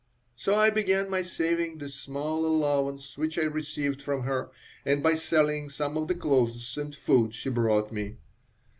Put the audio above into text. So I began by saving the small allowance which I received from her and by selling some of the clothes and food she brought me.